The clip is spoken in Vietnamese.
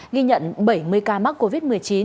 ghi nhận bảy mươi ca mắc covid một mươi chín